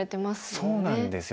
そうなんですよ。